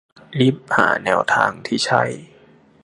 รีบหาแนวทางที่ใช่